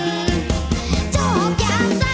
ที่พอจับกีต้าร์ปุ๊บ